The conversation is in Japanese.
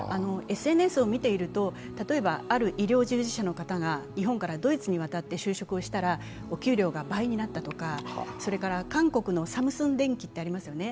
ＳＮＳを見ていると、例えばある医療従事者の方が日本からドイツに渡って就職をしたらお給料が倍になったとか韓国のサムスン電気ってありますよね。